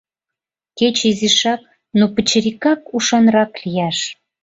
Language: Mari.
Кеч изишак, ну, пычырикак, ушанрак лияш.